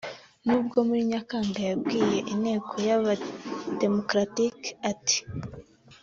nubwo muri Nyakanga yabwiye Inteko y’Aba démocrate ati